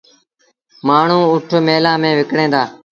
مآڻهوٚݩ اُٺ ميلآن ميݩ وڪڻين دآ۔